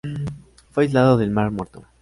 Fue aislado del Mar Muerto.